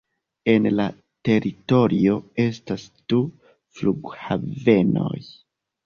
En la teritorio estas du flughavenoj.